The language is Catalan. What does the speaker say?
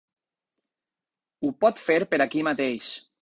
Ho pot fer per aquí mateix.